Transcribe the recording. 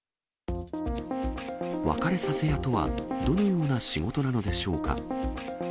別れさせ屋とはどのような仕事なのでしょうか。